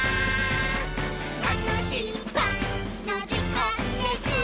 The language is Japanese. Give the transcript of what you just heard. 「たのしいパンのじかんです！」